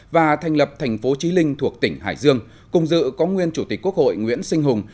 và thành lập thành phố trí linh thuộc tỉnh hải dương cùng dự có nguyên chủ tịch quốc hội nguyễn sinh hùng